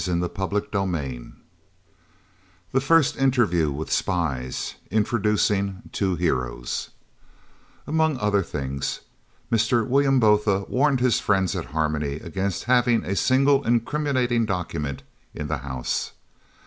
CHAPTER XVII THE FIRST INTERVIEW WITH SPIES, INTRODUCING TWO HEROES Among other things, Mr. Willem Botha warned his friends at Harmony against having a single incriminating document in the house.